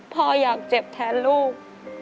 พ่ออยากเจ็บแทนลูก